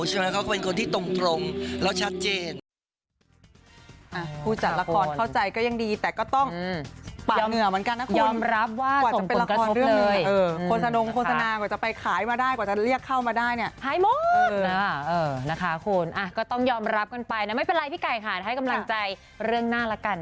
ใช่ไหมเขาก็เป็นคนที่ตรงแล้วชัดเจน